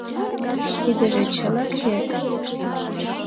Тидыже чынак вет?